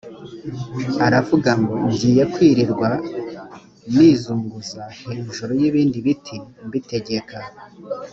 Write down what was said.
aravuga ngo ngiye kwirirwa nizunguza hejuru y’ibindi biti mbitegeka